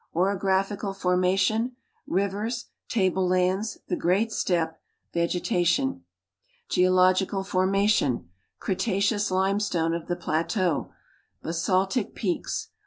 Orographical formation : Rivers ; Table lands ; The Great Steppe. Vege tation. Geological formation : Cretaceous limestone of the plateaux. Ba.saltic peaks.